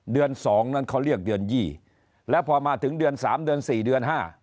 ๒นั้นเขาเรียกเดือน๒แล้วพอมาถึงเดือน๓เดือน๔เดือน๕